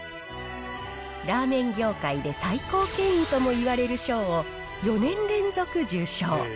ラーメン業界で最高権威ともいわれる賞を、４年連続受賞。